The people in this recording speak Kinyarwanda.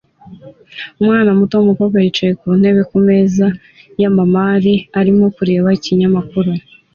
Umwana muto w'umukobwa yicaye ku ntebe ku meza ya marimari arimo kureba ikinyamakuru